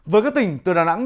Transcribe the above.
với các tỉnh từ đà nẵng